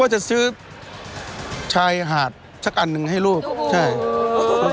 ว่าจะซื้อชายหาดสักอันนึงให้ลูก